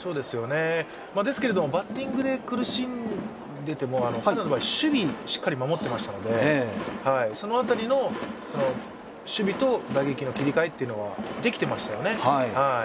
ですけれどバッティングで苦しんでても彼の場合、守備、しっかり守っていましたのでその辺りの守備と打撃の切り替えはできていましたよね。